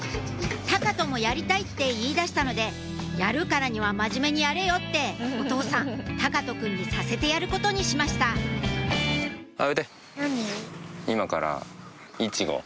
「隆翔もやりたい！」って言いだしたので「やるからには真面目にやれよ！」ってお父さん隆翔くんにさせてやることにしましたなに？